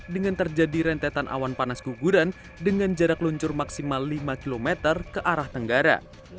dengan terjadi rentetan awan panas guguran dengan jarak luncur maksimal lima km ke arah tenggara